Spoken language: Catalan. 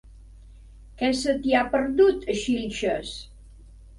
Què se t'hi ha perdut, a Xilxes?